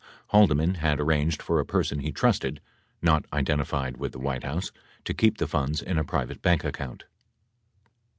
Haldeman had arranged for a person he trusted, not identified with the White House, to keep the funds in a private bank account.